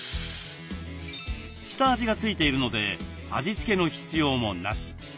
下味が付いているので味付けの必要もなし。